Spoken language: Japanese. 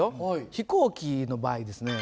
飛行機の場合ですね